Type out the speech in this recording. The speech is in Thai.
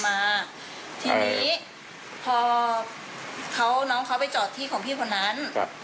ทีนี้พอน้องเขาไปจอดที่ของพี่คนนั้น